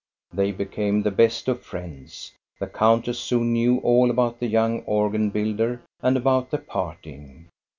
They became the best of friends. The countess soon knew all about the young organ builder and about the parting.